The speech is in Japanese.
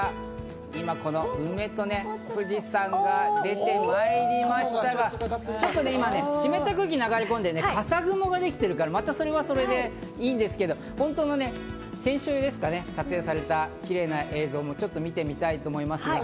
今、梅と富士山が出てまいりましたが、ちょっと今、湿った空気が流れ込んで、笠雲ができているから、またそれはそれでいいんですけど、本当は先週ですかね、撮影されたキレイな映像も見てみたいと思います。